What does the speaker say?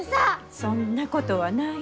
そんなことはない。